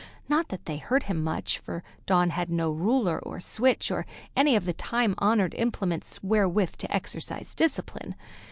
Not that they hurt him much, for Dawn had no ruler or switch or any of the time honored implements wherewith to exercise discipline.